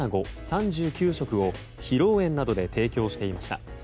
３９食を披露宴などで提供していました。